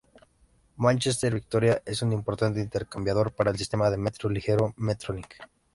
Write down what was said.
Mánchester Victoria es un importante intercambiador para el sistema de metro ligero Metrolink.